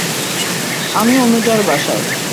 আমি অনুযার বাসায়।